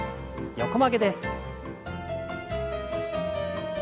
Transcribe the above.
横曲げです。